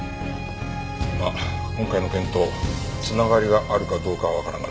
まあ今回の件と繋がりがあるかどうかはわからんがな。